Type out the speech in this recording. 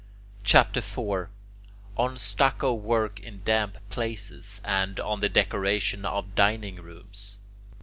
CHAPTER IV ON STUCCO WORK IN DAMP PLACES, AND ON THE DECORATION OF DINING ROOMS 1.